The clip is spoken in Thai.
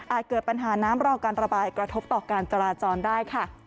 เกิดปัญหาน้ำรอการระบายกระทบต่อการจราจรได้ค่ะ